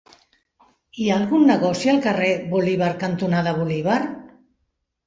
Hi ha algun negoci al carrer Bolívar cantonada Bolívar?